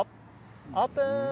オープン！